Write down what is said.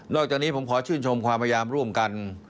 อกจากนี้ผมขอชื่นชมความพยายามร่วมกัน